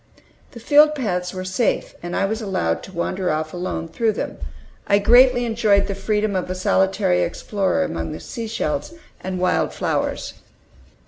The field paths were safe, and I was allowed to wander off alone through them. I greatly enjoyed the freedom of a solitary explorer among the seashells and wild flowers.